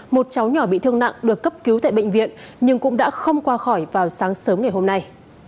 một cháu nhỏ bị thương nặng được cấp cứu tại bệnh viện nhưng cũng đã không qua khỏi vào sáng sớm ngày hôm nay